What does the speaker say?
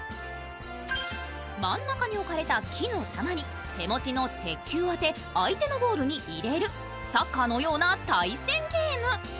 真ん中に置かれた木の球に、手持ちの鉄球を当て、相手のゴールに入れる、サッカーのような対戦ゲーム。